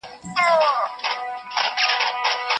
ښه خلګ هيڅکله په چا پسې بدې خبري نه کوي.